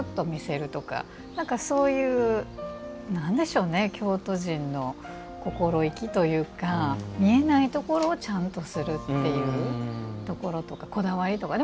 そういう京都人の心意気というか見えないところをちゃんとするっていうところとかこだわりとか。